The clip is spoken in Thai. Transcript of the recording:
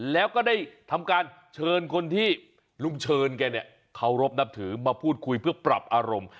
แล้วก็ได้ทำการเชิญคนที่ลุงเชิญแกเนี่ยเคารพนับถือมาพูดคุยเพื่อปรับอารมณ์